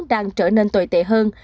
đang trở nên tồi tệ hơn